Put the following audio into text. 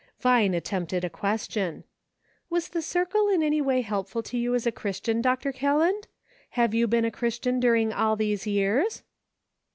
Vine attempted a question: "Was the circle in eny way helpful to you as a Christian, Dr. Kelland ? Have you been a Christian during all these years